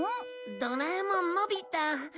ドラえもんのび太。